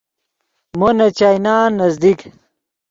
مو نے چائینان نزدیک